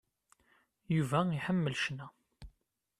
Yuba iḥemmel cna.